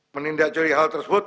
menindak juri hal tersebut